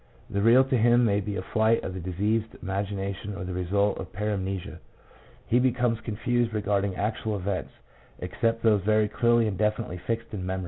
The real to him may be a flight of the diseased imagination or the result of paramnesia. He becomes confused regarding actual events, except those very clearly and definitely fixed in memory.